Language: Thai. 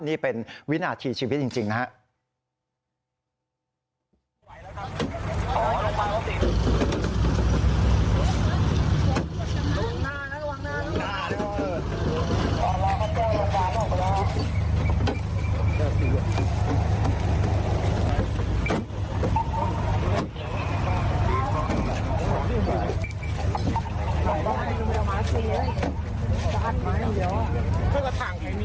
นี่เป็นวินาทีชีวิตจริงนะครับ